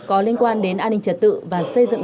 có liên quan đến an ninh trật tự và xây dựng